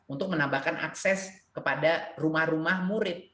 untuk menambahkan akses kepada rumah rumah murid